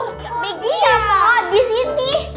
begitu ya mbak disini